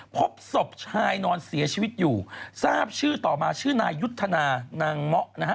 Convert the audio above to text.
พบศพชายนอนเสียชีวิตอยู่ทราบชื่อต่อมาชื่อนายยุทธนานางเมาะนะฮะ